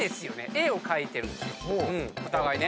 絵を描いてるんですよお互いね。